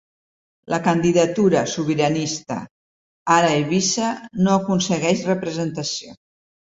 La candidatura sobiranista, Ara Eivissa no aconsegueix representació.